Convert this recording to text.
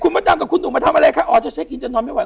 คุณพระตังค์กับคุณหนูมาทำอะไรค่ะอ๋อจะเช็คอินจะนอนไม่ไหว